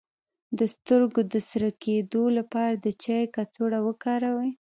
د سترګو د سره کیدو لپاره د چای کڅوړه وکاروئ